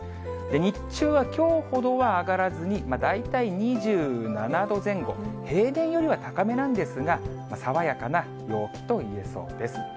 日中はきょうほどは上がらずに、大体２７度前後、平年よりは高めなんですが、爽やかな陽気といえそうです。